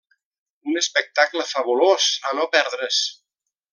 Un espectacle fabulós a no perdre's.